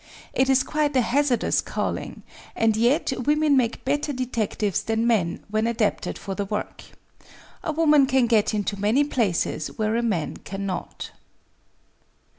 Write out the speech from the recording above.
It is quite a hazardous THE DETECTIVE 07 calling, and yet women make better detectives than men wlien adapted for the work. A woman can get into many places where a man cannot.